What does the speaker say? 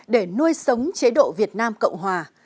để nuôi sống chế độ việt nam cộng hòa